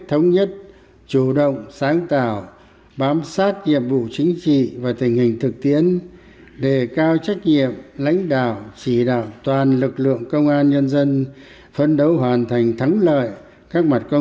thống nhất chủ động sáng tạo bám sát nhiệm vụ